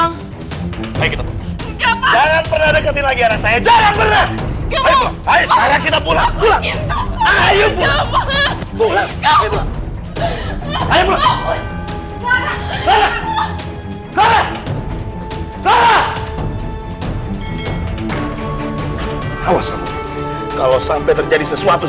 gak ada yang mengharapkan bayi itu